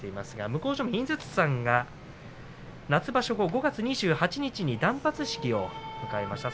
向正面、井筒さんが夏場所後、５月２８日に断髪式を迎えました。